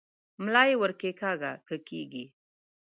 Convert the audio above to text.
ملا یې ور کښېکاږه که کېږي؟